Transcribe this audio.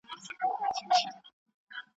آیا سسۍ تر چونګښې چټکه ده؟